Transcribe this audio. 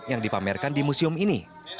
yang dipamerkan di museum ini